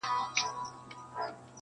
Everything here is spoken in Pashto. زه پخپلو وزرونو د تیارې پلو څیرمه -